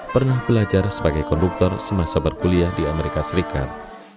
pernah belajar sebagai konduktor semasa berkuliah di amerika serikat